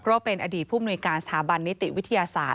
เพราะเป็นอดีตผู้มนุยการสถาบันนิติวิทยาศาสตร์